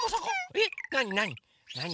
えっなになに？